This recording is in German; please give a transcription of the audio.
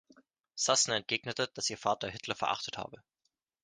Sassen entgegnete, dass ihr Vater Hitler verachtet habe.